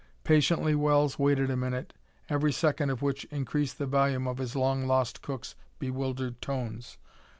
Patiently Wells waited a minute, every second of which increased the volume of his long lost cook's bewildered tones.